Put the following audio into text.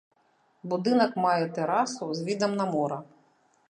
Будынак мае тэрасу з відам на мора.